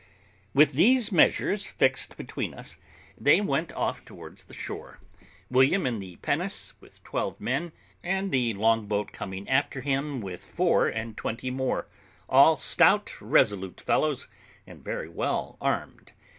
With these measures fixed between us, they went off towards the shore, William in the pinnace with twelve men, and the long boat coming after him with four and twenty more, all stout resolute fellows, and very well armed.